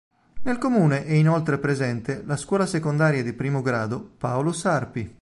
Nel comune è inoltre presente la scuola secondaria di primo grado "Paolo Sarpi".